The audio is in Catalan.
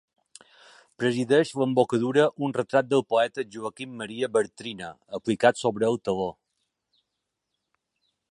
Presideix l'embocadura un retrat del poeta Joaquim Maria Bartrina, aplicat sobre el teló.